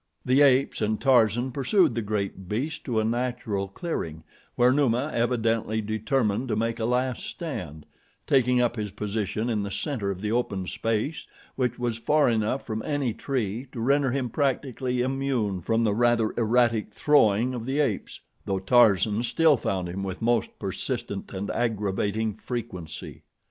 The apes and Tarzan pursued the great beast to a natural clearing, where Numa evidently determined to make a last stand, taking up his position in the center of the open space, which was far enough from any tree to render him practically immune from the rather erratic throwing of the apes, though Tarzan still found him with most persistent and aggravating frequency.